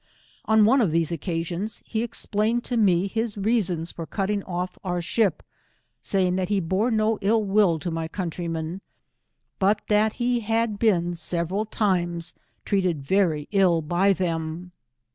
On one of these occasions, he explained to me his reasons for cutting off our ship, saying that he bore no ill will to my countrymen, but that he had been several times treated very ill by them.